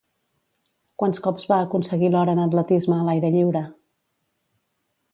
Quants cops va aconseguir l'or en atletisme a l'aire lliure?